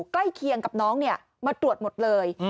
ใกล้เคียงกับน้องมาตรวจหมดเลย